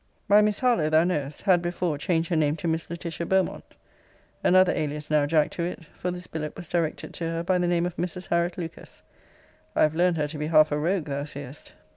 My Miss Harlowe, thou knowest, had before changed her name to Miss Laetitia Beaumont. Another alias now, Jack, to it; for this billet was directed to her by the name of Mrs. Harriot Lucas. I have learned her to be half a rogue, thou seest.